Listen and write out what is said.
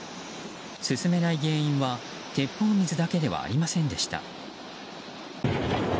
進めない原因は鉄砲水だけではありませんでした。